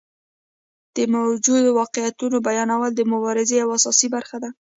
د موجودو واقعیتونو بیانول د مبارزې یوه اساسي برخه ده.